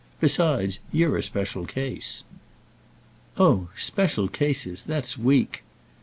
Besides, you're a special case." "Oh special cases—that's weak!"